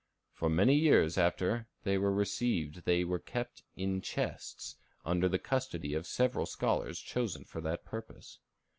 For many years after they were received they were kept in chests, under the custody of several scholars chosen for that purpose.